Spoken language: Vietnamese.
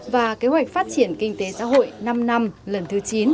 và kế hoạch phát triển kinh tế xã hội năm năm lần thứ chín